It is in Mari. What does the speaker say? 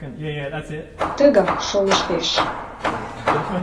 Тыгак шолыштеш.